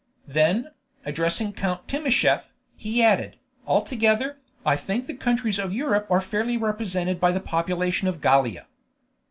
Then, addressing Count Timascheff, he added, "Altogether, I think the countries of Europe are fairly represented by the population of Gallia."